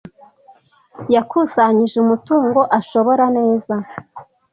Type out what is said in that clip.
Yakusanyije umutungo ashora neza.